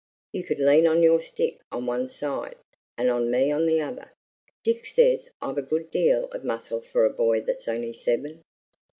You could lean on your stick on one side, and on me on the other. Dick says I've a good deal of muscle for a boy that's only seven."